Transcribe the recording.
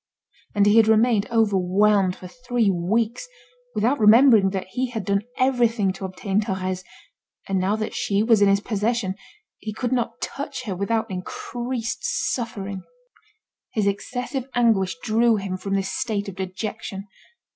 And he had remained overwhelmed for three weeks, without remembering that he had done everything to obtain Thérèse, and now that she was in his possession, he could not touch her without increased suffering. His excessive anguish drew him from this state of dejection.